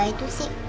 itu tadi sibuk